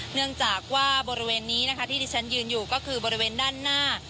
เนื่องจากว่าบริเวณนี้นะคะที่ที่ฉันยืนอยู่ก็คือบริเวณด้านหน้า